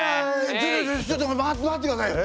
ちょちょちょ待ってくださいよ。